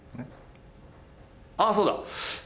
ああそうだ。